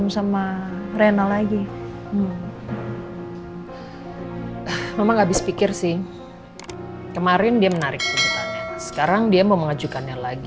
saya pikir sih kemarin dia menarik kebutuhannya sekarang dia mau mengejukannya lagi